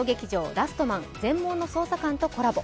「ラストマン−全盲の捜査官−」とコラボ。